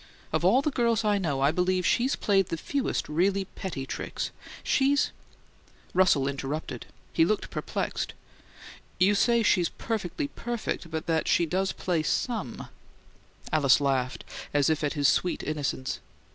Of all the girls I know I believe she's played the fewest really petty tricks. She's " Russell interrupted; he looked perplexed. "You say she's perfectly perfect, but that she does play SOME " Alice laughed, as if at his sweet innocence.